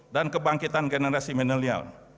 dan kebangkitan generasi milenial